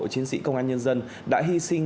chiến sĩ công an nhân dân đã hy sinh